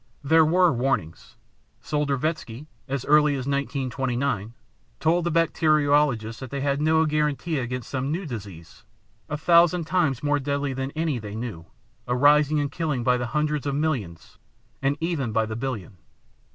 There were warnings. Soldervetzsky, as early as 1929, told the bacteriologists that they had no guaranty against some new disease, a thousand times more deadly than any they knew, arising and killing by the hundreds of millions and even by the billion.